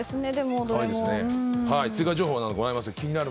追加情報などございますか。